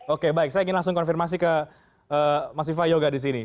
oke baik saya ingin langsung konfirmasi ke mas viva yoga di sini